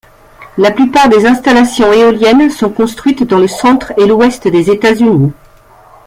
La plupart des installations éoliennes sont construites dans le centre et l'ouest des États-Unis.